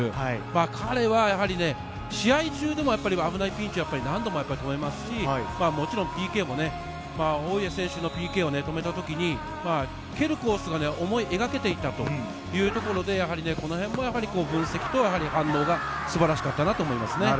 彼は試合中でも危ないピンチは何度も止めますし、もちろんＰＫもオウイエ選手のＰＫを止めた時に、蹴るコースが思い描けていたというところでこの辺も分析と反応が素晴らしかったなと思います。